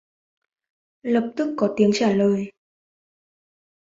Lập tức có tiếng trả lời